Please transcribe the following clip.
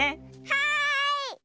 はい！